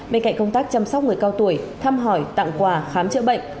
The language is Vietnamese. bên cạnh công tác chăm sóc người cao tuổi thăm hỏi tặng quà khám chữa bệnh